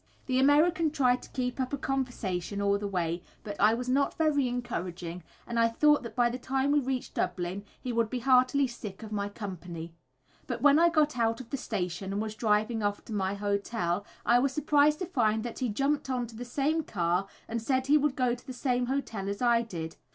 The American tried to keep up a conversation all the way, but I was not very encouraging, and I thought that by the time we reached Dublin he would be heartily sick of my company. But when I got out of the station and was driving off to my hotel, I was surprised to find that he jumped on to the same car, and said he would go to the same hotel as I did.